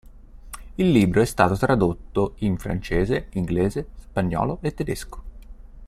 Il libro è stato tradotto in francese, inglese, spagnolo e tedesco.